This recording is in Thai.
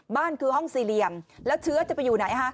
บ้านคือห้องสี่เหลี่ยมแล้วเชื้อจะไปอยู่ไหนฮะ